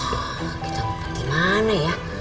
wah kita mau buka dimana ya